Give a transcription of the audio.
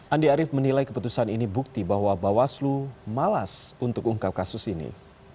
andi arief menilai keputusan ini bukti bahwa bawaslu malas untuk ungkap kasus ini